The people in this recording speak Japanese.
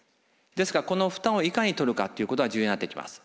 ですからこの負担をいかにとるかということが重要になってきます。